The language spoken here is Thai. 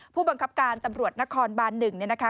ผู้บังคับการตำรวจนครบาน๑เนี่ยนะคะ